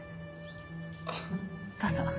どうぞ。